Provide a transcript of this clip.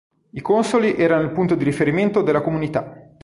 I consoli erano il punto di riferimento della comunità.